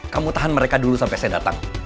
kamu tahan mereka dulu sampai saya datang